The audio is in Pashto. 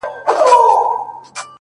چي كورنۍ يې!!